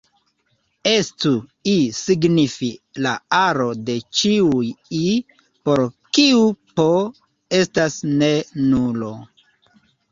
Estu "I" signifi la aro de ĉiuj "i" por kiu "p" estas ne nulo.